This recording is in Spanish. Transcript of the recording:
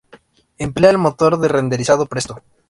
Emplea el motor de renderizado Presto.